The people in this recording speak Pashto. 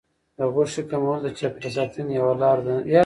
د غوښې کمول د چاپیریال ساتنې یوه لار ده.